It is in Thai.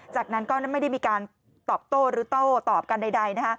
จากนั้นก็ไม่ได้มีการตอบโต้หรือโต้ตอบกันใด